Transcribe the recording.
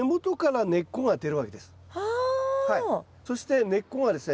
そして根っこがですね